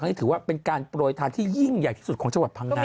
นี่ถือว่าเป็นการโปรยทานที่ยิ่งใหญ่ที่สุดของจังหวัดพังงา